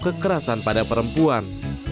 kekerasan pada perempuan